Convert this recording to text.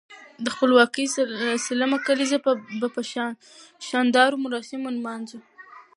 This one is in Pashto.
د خپلواکۍ سلم کاليزه به په شاندارو مراسمو نمانځو.